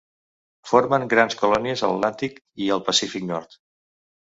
Formen grans colònies a l'Atlàntic i el Pacífic Nord.